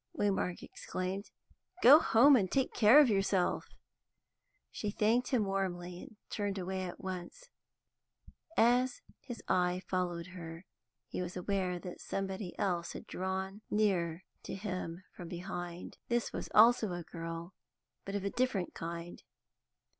Waymark exclaimed. "Go home and take care of yourself." She thanked him warmly, and turned away at once. As his eye followed her, he was aware that somebody else had drawn near to him from behind. This also was a girl, but of a different kind.